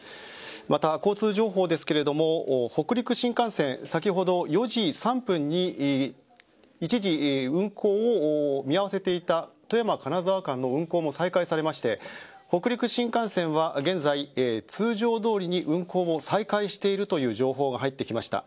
また、交通情報ですが北陸新幹線、先ほど４時３分に一時運行を見合わせていた富山金沢間の運行も再開されまして北陸新幹線は現在通常どおりに運行を再開しているという情報が入ってきました。